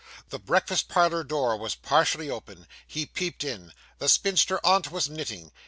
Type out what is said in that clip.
The breakfast parlour door was partially open. He peeped in. The spinster aunt was knitting.